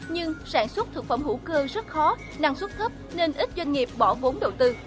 nhưng sản xuất thực phẩm hữu cơ rất khó năng suất thấp nên ít doanh nghiệp bỏ vốn đầu tư